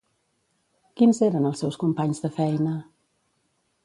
Quins eren els seus companys de feina?